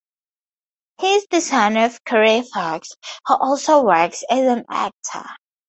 He is the son of Carey Fox, who also works as an actor.